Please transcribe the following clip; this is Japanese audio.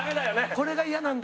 これがイヤなんだ？